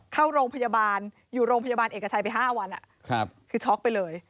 เข้าโรงพยาบาลอยู่โรงพยาบาลเอกชัยไป๕วันคือช็อกไปเลย